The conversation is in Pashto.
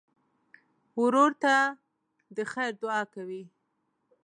ورور ته د خیر دعا کوې.